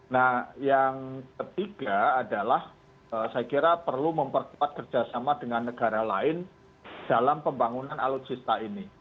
nah yang ketiga adalah saya kira perlu memperkuat kerjasama dengan negara lain dalam pembangunan alutsista ini